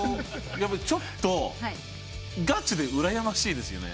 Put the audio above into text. ちょっとがちでうらやましいですよね。